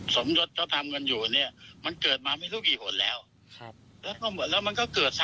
สมาคมผิดเอง